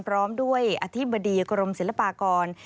พร้อมด้วยอธิบดีกรมศิลปากร